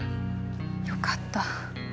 よかった。